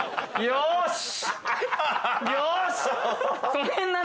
よし！